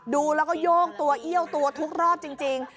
ดูแล้วก็โยกตัวเอี้ยวตัวทุกรอบจริง